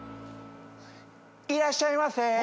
いらっしゃいませ。